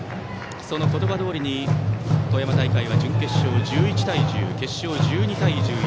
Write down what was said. その言葉どおりに富山大会は準決勝、１１対１０決勝、１２対１１。